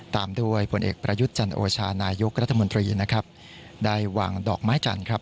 ตามด้วยผลเอกประยุทธ์จันโอชานายกรัฐมนตรีนะครับได้วางดอกไม้จันทร์ครับ